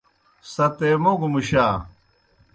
ستیموگوْ مُشا۔